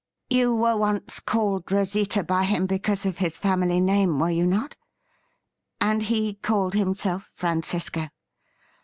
You were once called Rosita by him because of his family name, were you not .'' and he called himself Francisco.